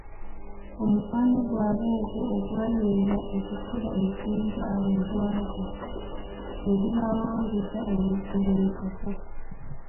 Omukwano gwabwe ogwo ogwanywera okukira ejjinja awo we gw'ava , ne gubawanguza ebizibu ntoko.